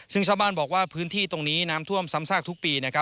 ซึ่งชาวบ้านบอกว่าพื้นที่ตรงนี้น้ำท่วมซ้ำซากทุกปี